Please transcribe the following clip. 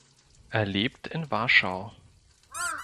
Er lebt in Warschau.